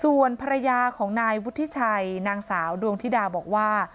ส่วนภรรยาของนายวุฒิชัยนางสาวดวงธิดาบอกว่า